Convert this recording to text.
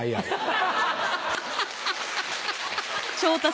ハハハハ！